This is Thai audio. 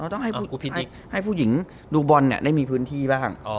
ต้องให้ผู้หญิงดูบอลนี่เราไม่มีพื้นที่บ้าง